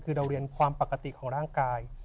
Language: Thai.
คือเราเรียนความปกติของร่างกาย